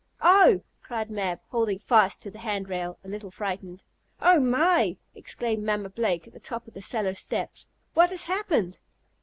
"Oh!" cried Mab, holding fast to the handrail, a little frightened. "Oh my!" exclaimed Mamma Blake at the top of the cellar steps. "What has happened?"